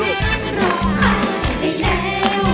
ร้องหายไปแล้ว